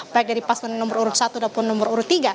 baik dari paslon nomor urut satu ataupun nomor urut tiga